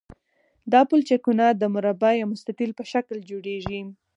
دا پلچکونه د مربع یا مستطیل په شکل جوړیږي